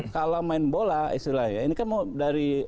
kalau main bola istilahnya ini kan mau dari